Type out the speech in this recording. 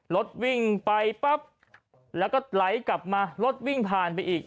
รถวิ่งไปปั๊บแล้วก็ไหลกลับมารถวิ่งผ่านไปอีก